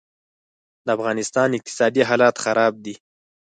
دافغانستان اقتصادي حالات خراب دي